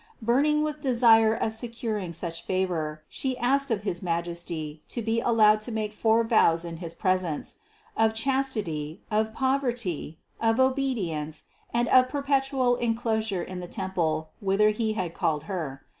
Burning with desire of securing such favor, She asked of his Majesty to be allowed to make four vows in his presence: of chastity, of poverty, of obedience, and of perpetual enclosure in the temple whither He had called Her.